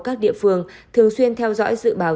các địa phương thường xuyên theo dõi dự báo